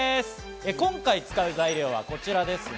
今回使う材料はこちらです。